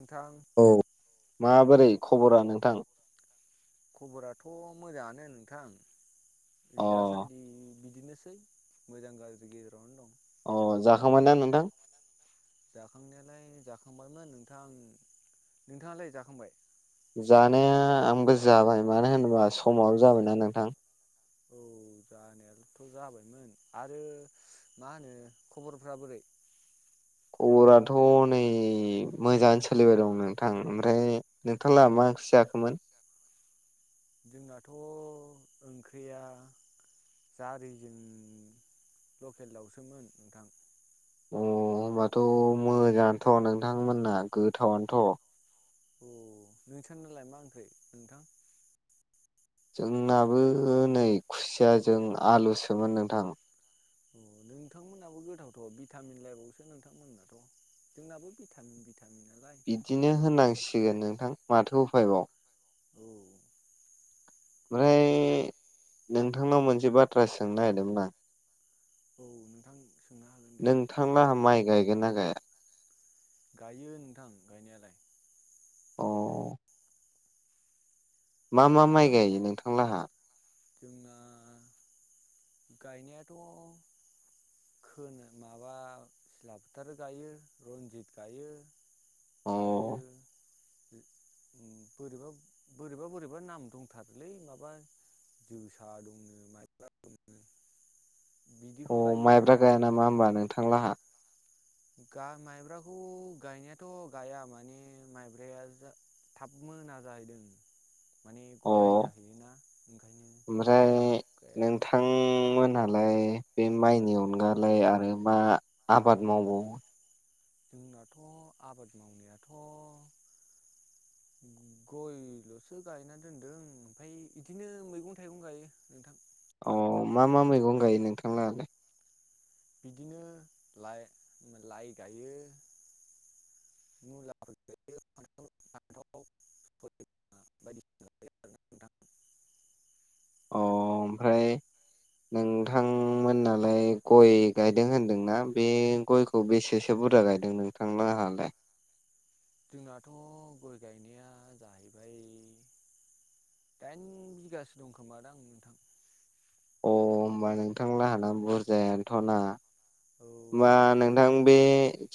नोंथां औ माबोरै खबरा नोंथां? खबराथ' मोजांङानो नोंथां अ दासान्दि बिदिनो। सै मोजां गाज्रि गेजेरावनो दं। अ जाखांबायना नोंथां? जाखांनायालाय जाखांबायमोन नोंथां, नोंथाङालाय जाखांबाय? जानाया आंबो जाबाय मानो होनोबा समाबो जाबायना नोंथां। ? जानाया थ' जाबायमोन आरो मा होनो खबरफ्रा बोरै? खबराथ' नै मोजां सोलिबाय दं नोंथां ओमफ्राय नोंथांला मा? जाखोमोन। जोंनाथ' ओंख्रिया जारिजों, लकेल दाउसोमोन नोंथां। अ होमबाथ' मोजाङानोथ' नोंथांमोनना गोथावानोथ'! अ नोंथां नालाय मा ओंख्रि नोंथां? जोंनाबो नै खुसियाजों आलुसोमोन नोंथां। [unintelligible] नोंथांमोनाबो गोथावथ' भिटामिन लायबावसो नोंथांमोननाथ' जोंनाबो भिटामिन। भिटामिन नालाय बिदिनो होननांसिगोन नोंथां माथो उफायबाव औ ओमफ्राय नोंथांनाव मोनसे बाथ्रा सोंनो नागिरदोंमोन आं औ नोंथां सोंना नोंथांङा माइ गायगोन ना गाया? गायो नोंथां गायनायालाय अ मा मा माइ नोंथां गायो नोंथांलाहा? जोंना गायनायाथ' खोनो माबा सिला फोथार गायो रन्जित गायो अ आरो बोरैबा बोरैबा बोरैबा नाम दंथारोलै माबा जोसा दंनो माइब्रा दंनो अ माइब्रा गाया नामा होमबा नोंथांलाहा? गा माइब्राखौ गायनायाथ' गाया माने माइब्राया जा थाब मोना जाहैदों माने अ गदाय जाहैयोना ओंखायनो थाब गाया नालाय बे माइनि अनगालाय आरो मा आबाद मावबावो जोंनाथ' आबाद मावनायाथ' [unintelligible] गयल'सो गायना दोनदों ओमफ्राय बिदिनो मैगं थाइगं गायो नोंथां अ मा मा मैगं गायो नोंथांलाहालाय? बिदिनो लाइ लाइ गायो मुलाबो गायो फान्थावबो गायो बेफोरनो नोंथां अ ओमफ्राय [unintelligible] नोंथांमोननालाय गय गायदों होनदोंना बे गयखौ बेसे सो बुरजा गायदों नोंथां लाहालाय जोंनाथ' गय गायनाया जाहैबाय दाइन बिगासो दं खोमा दां नोंथां अ होमबा नोंथांला हाना बुरजायानोथ'ना होमबा नोंथां बे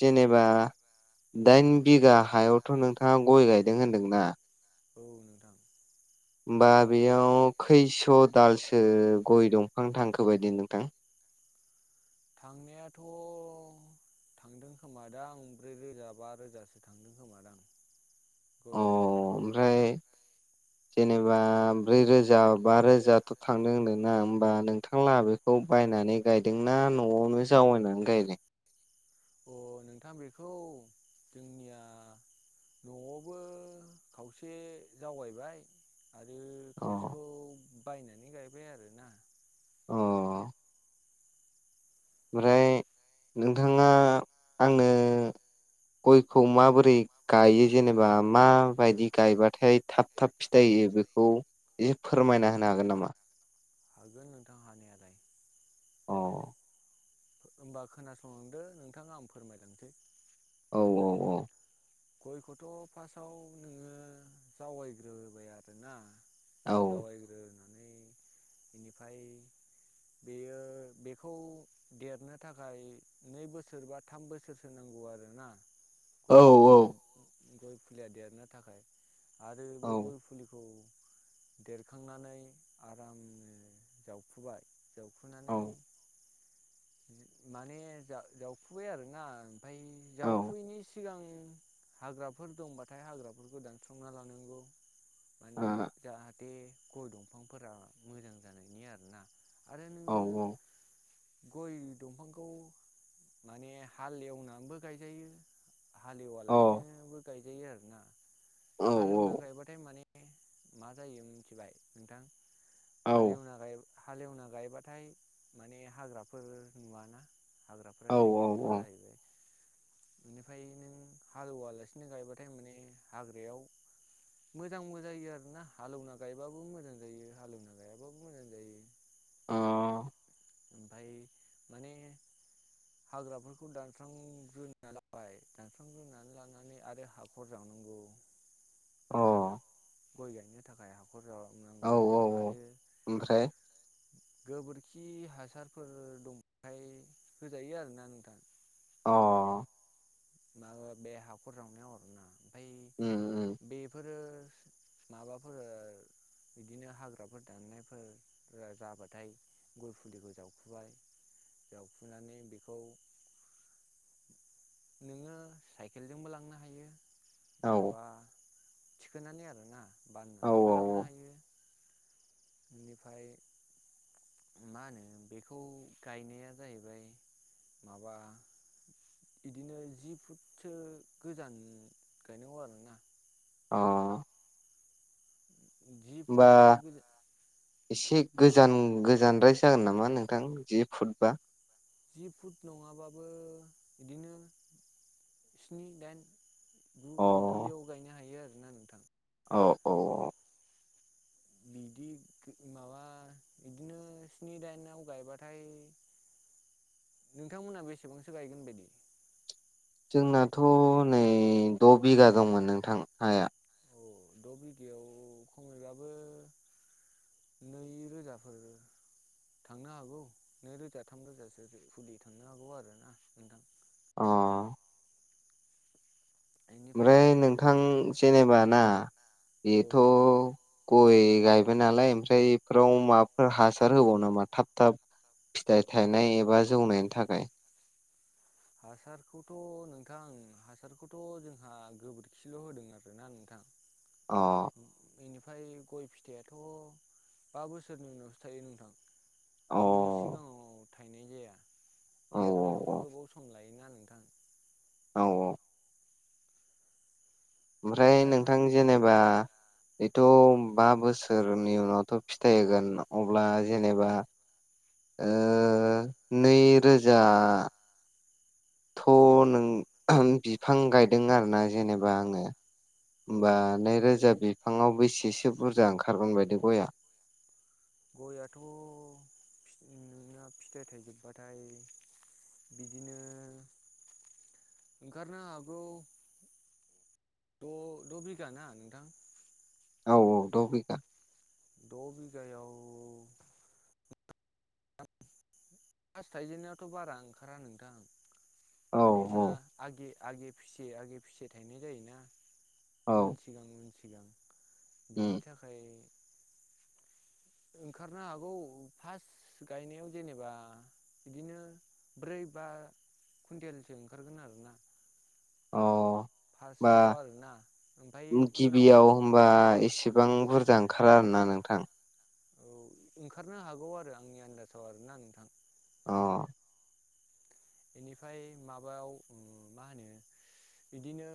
जेनेबा दाइन बिगा हायावथ' नोंथांङा गय गायदों होनदोंना? औ नोंथां होमबा बेयाव खैस' दालसो गय दंफां थांखो बायदि नोंथां? थांनायाथ' थांदों खोमादां ब्रै रोजा बा रोजासो थांदों खोमादां अ गय दंफांआ ओमफ्राय [unintelligible] जेनेबा ब्रै रोजा बा रोजाथ' थांदों होनदों ना होमबा नोंथांलाहा बेखौ बाय नानै गायदोंना न'आवनो जावायनानै गायदों? अ नोंथां बेखौ जोंनिया न'आवबो खावसे जावगायबाय आरो अ खावसेखौ बायनानै गायबाय आरोना अ ओमफ्राय नोंथांङा आंनो गयखौ माबोरै गायो जेनेबा माबायदि गायबाथाय थाब थाब फिथायाइ होयो बेखौ एसे फोरमायना होनो हागोन नामा? हागोन नोंथां हानायालाय अ होमबा खोनासंलांदो नोंथां आं फोरमायलांसै औ औ औ। गयखौथ' फार्स्टआव नोङो जावायग्रोबाय आरोना औ साबाय ग्रि [unintelligible] बेनिफ्राय बेयो बेखौ देरनो थाखाय नै बोसोर बा थाम बोसोरसो नांगौ। नांगौ आरोना ग औ फुलिया गय फुलिया देरनो थाखाय आरो औ बे गय फुलिखौ देरखांनानै आराम जावफुबाय औ जावखुानै माने जावखुबाय आरोना ओमफ्राय औ जावखुैनि सिगां हाग्राफोर दंबाथाय हाग्राफोरखौ दानस्रांना लानांगौ आ जाहाथे बे गय दंफांफोरा मोजां जानायनि आरोना आरो औ नोङो औ। गय दंफांखौ माने हाल एवनानैबो गायजायो हाल अ औ लासिनोबो गायजायो आरोना हालेवना औ गायबाथाय मान मा जायो मिथिबाय नोंथां औ हालेवना हालेवना गायबाथाय माने हाग्राफोर नुवाना हाग्राफोरा औ थैजोबो औ जाहैबाय बेनिफ्राय नों हालुवालासिनो गायबाथाय माने हाग्रायाव मोजांबो जायो आरोना हालेवना गायबाबो मोजां जायो हालेवना गायाबाबो मोजां जायो। अ ओमफाय माने हाग्राफोरखौ दानस्रांग्रोना लाबाय दानस्रांग्रोनानै लानानै आरो हाखर ज [unintelligible] नोंथां गय गायनो थाखाय ह औ रनांगौ औ औ आरो ओमफ्राय गोबोरखि हासारफोर दंबाथाय होजायो आरोना नोंथां। अ माबा बे हाखर जावनायाव अरोना ओमफ्राय उम उम बेफोरो माबाफोर बिदिनो हाग्राफोर दाननायफोर जाबाथाय गय फुलिखौ जावखुबाय जावफुनानै बेखौ [unintelligible] नोङो साइकेलजोंबो लांनो हायो औ माबा थिखोनानै आरोना औ बाननानैबो लांनो औ हायो। बेनिफ्राय मा होनो बेखौ गायनाया जाहैबाय माबा बिदिनो जि फुटसो गोजान गायनांगौ आरोना अ होमबा जिबथ ग एसे गोजान गोजानद्राय जागोन नामा नोंथां जि फुटबा? जि फुट नङाबाबो बिदिनो स्नि दाइन गु अ बिदियाव गायनो हायो आरोोना नोंथां। औ औ औ। बिदि माबा बिदिनो स्नि दाइनाव गायबाथाय [unintelligible] नोंथांमोना बेसेबांसो गायगोन बायदि? जोंनाथ नै द बिगा दंमोन नोंथां हाया। अ द‌ बिगायाव खमैबाबो नै रोजाफोर थांनो हागौ नै रोजा थाम रोजासो फुलि थांनो हागौ आरो ना नोंथां अ इनिफ्राय ओमफ्राय नोंथां जेनेबा ना औ बेथ गय गायबाय नालाय ओमफ्राय बेफोराव माबाफोर हासार होबाव नामा थाब थाब फिथाइ थायनाय एबा जौनायनि थाखाय हासारखौथ नोंथां हासारखौथ जोंहा गोबोरखिल होदों आरोना नोंथां अ बेनिफ्राय गय फिथाइयाथ बा बोसोरनि उनावसो थायो नोंथां अ औ बिनि सिगाङाव थायनाय जाया औ देरनायाव गोबाव सम लायोना नोंथां औ औ ओमफ्राय खायफा नोंथां जेनेबा बेथ' बा बोसोरनि उनावथ फिथाइ होगोन अब्ला जेनेबा ओ नै रोजा थ' नों बिफां गायदों आरोना जेनेबा आङो औ होमबा नोंथां नै रोजा बिफाङाव बेस सेसो बुरजा ओंखारगोन बायदि गइया गयआथ फि नोंना फिथाइ थायजोब बाथाय बिदिनो ओंखारनो हागौ द द बिघा ना नोंथां औ औ द बिगा द बिगायाव फास थाइजेन नायावथ बारा ओंखारा नोंथां औ मानोना औ आगे आगे फिसे आगे फिसे थायनाय जायोना उन औ सिगां उन सिगां बेनि उम थाखाय ओंखारनो हागौ फास गायनायाव जेनेबा बिदिनो ब्रै बा कुन्टेलसो ओंखारगोन आरोना अ होमबा फार्स्टआव आरोना ओमफ्राय उनाव गिबियाव होमबा एसेबां बुर जां ओंखारा आरोना नोंथां औ ओंखारनो हागौ आरो आंनि आन्दाजाव आरोना नोंथां अ बेनिफ्राय माबायाव मा होनो बिदिनो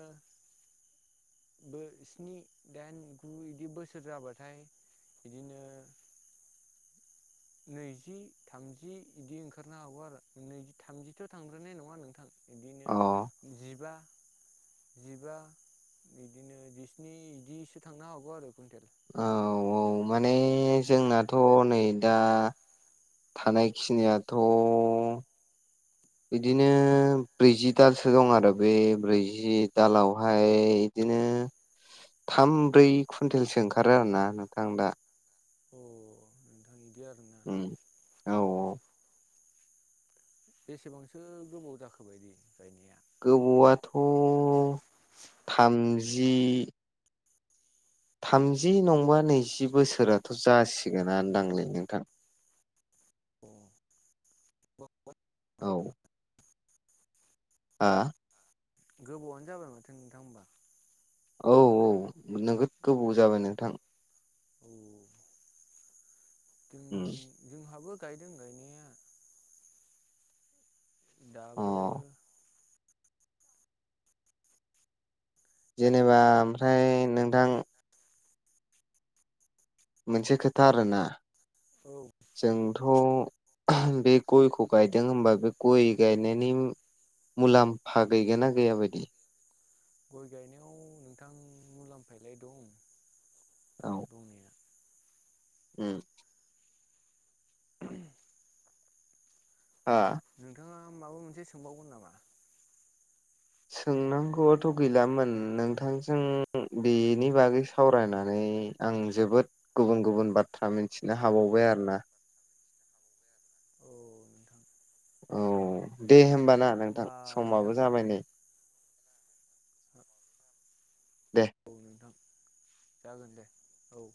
बो स्नि दाइन गु बिदि बोसोर जाबाथाय बिदिनो [inaudible] नैजि थामजि बिदि ओंखारनो हागौ आरो नैजि थामजिथ थांग्रोनाय नङा नोंथां बिदिनो अ जिबा जिबा बिदिनो जिस्नि बिदिसो थांनो हागौ आरो कुन्टेल औ औ माने जोंनाथ नै दा थानाय खिनियाथ इदिनो ब्रैजि दालसो दं आरो बे ब्रैजि दालावहाय इदि नो थाम ब्रै कुन्टेलसो ओंखारो आरोना नोंथां दा अ नोंथां बिदि आरो उम औ औ बेसेबांसो गोबाव जाखो बायदि गायनाया गोबौआथ' थामजि थामजि नंबा नैजि बोसोराथ' जासिगोनोदांलै नोंथां अ औ हा गोबावनो जाबाय माथो नोंथां होमबा। औ औ नोगोद गोबाव जाबाय नोंथां। औ औ उम दों जोंहाबो गायदों गायनाया। अ दाबो जेनेबा ओमफ्राय नोंथां मोनसे खोथा आरोना औ थ' बे गयखौ गायदों होमबा बे गय गायनायनि मुलाम्फा गैगोना गैया बायदि। गय गायनायाव नोंथां मुलाम्फायलाय दं। औ दंनाया उम हा आं माबा मोनसे सोंबावगोन नामा? सोंनांगौआथ' गैलामोन नोंथांजों बेनि बागै सावरायनानै नै आं जोबोद गुबुन गुबुन बाथ्रा मिथिनो हाबावबाय आरोना। औ नोंथां। औ दे होमबा ना नोंथां होमबा समाबो नोंथां जाबाय नै। दे औ जागोन दे औ।